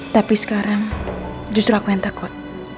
tapi sekarang justru aku yang takut